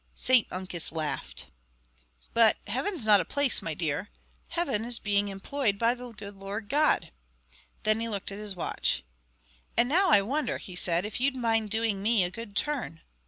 St Uncus laughed. "But Heaven's not a place, my dear. Heaven's being employed by the good Lord God." Then he looked at his watch. "And now I wonder," he said, "if you'd mind doing me a good turn?"